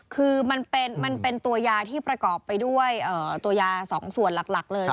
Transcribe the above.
คือมันเป็นตัวยาที่ประกอบไปด้วยตัวยา๒ส่วนหลักเลย